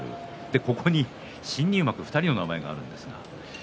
ここに新入幕２人の名前があります。